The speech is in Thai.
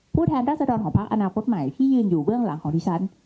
แทนรัศดรของพักอนาคตใหม่ที่ยืนอยู่เบื้องหลังของดิฉัน